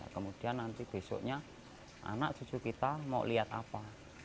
kemudian nanti besoknya anak cucu kita mau lihat apa